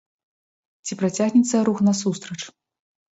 Ці працягнецца рух насустрач?